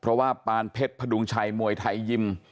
เพราะว่าปานเพชรพดุงชัยมวยไทยยิม